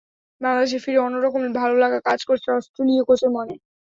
বাংলাদেশে ফিরে অন্য রকম ভালো লাগা কাজ করছে অস্ট্রেলীয় কোচের মনে।